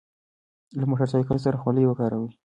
له موټر سایکل سره خولۍ وکاروئ.